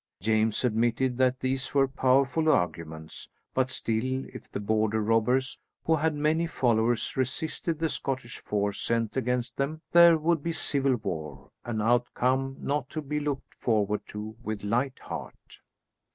James admitted that these were powerful arguments, but still if the Border robbers, who had many followers, resisted the Scottish force sent against them, there would be civil war, an outcome not to be looked forward to with light heart.